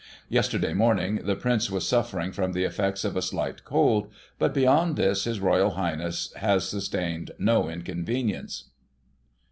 Yesterday morning, the Prince was suffering from the effects of a slight cold ; but, beyond this, His Royal Highness has sustained no inconvenience."